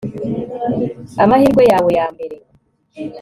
Amahirwe yawe ya mbere